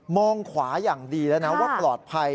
ขวาอย่างดีแล้วนะว่าปลอดภัย